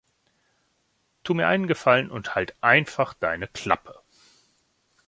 Tu mir einen Gefallen und halt einfach deine Klappe!